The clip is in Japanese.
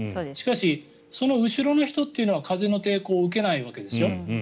しかし、その後ろの人というのは風の抵抗を受けないわけでしょ。